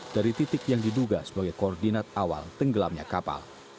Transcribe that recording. dari titik yang diduga sebagai koordinat awal tenggelamnya kapal